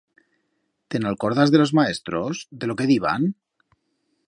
Te'n alcordas de los maestros, de lo que diban?